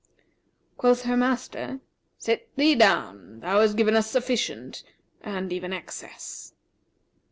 Quoth her master, 'Sit thee down, thou hast given us sufficient and even excess.'